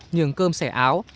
nhường cơm xẻ áo